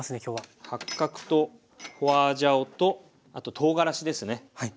八角と花椒とあととうがらしですね。